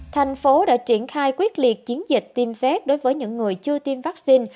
thành phố đã triển khai quyết liệt chiến dịch tiêm phép đối với những người chưa tiêm vaccine